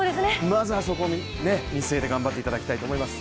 まずはそこを見据えて頑張っていただきたいと思います。